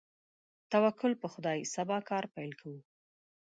توکل په خدای، سبا کار پیل کوو.